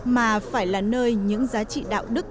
mà phải là nơi những giá trị đạo đức